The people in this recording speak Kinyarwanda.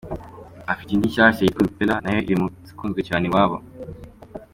Afite n’indi nshyashya yitwa “Lupela” nayo iri mu zikunzwe cyane iwabo.